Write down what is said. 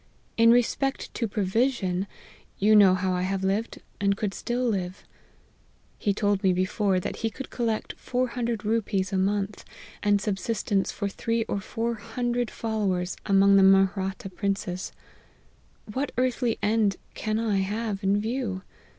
In respect to provision, you know how I have lived, and could still live :' he told me before, that he could collect 400 ru pees a month, and subsistence for three or four hundred followers among the Mahratta princes : 4 What earthly end can I have in view